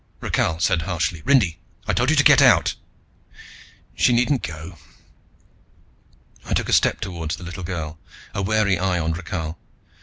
Rakhal said harshly, "Rindy. I told you to get out." "She needn't go." I took a step toward the little girl, a wary eye on Rakhal.